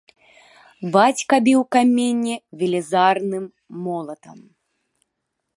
Бацька біў каменне велізарным молатам.